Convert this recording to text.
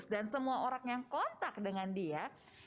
semua orang yang kontak dengan dia